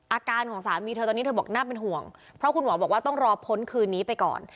อาการของสามีเธอตอนนี้เธอบอกน่าเป็นห่วงเพราะคุณหมอบอกว่าต้องรอพ้นคืนนี้ไปก่อน